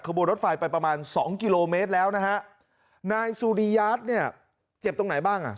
บนรถไฟไปประมาณสองกิโลเมตรแล้วนะฮะนายสุริยาทเนี่ยเจ็บตรงไหนบ้างอ่ะ